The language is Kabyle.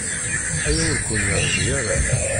Aya ur ken-yerzi ara.